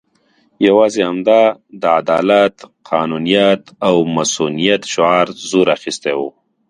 یوازې همدا د عدالت، قانونیت او مصونیت شعار زور اخستی وو.